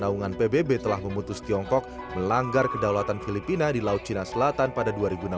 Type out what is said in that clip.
naungan pbb telah memutus tiongkok melanggar kedaulatan filipina di laut cina selatan pada dua ribu enam belas